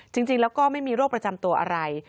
จริงแล้วก็ไม่มีโรคประจำตัวอะไร